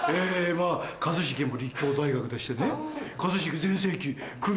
まぁ一茂も立教大学でしてね全盛期。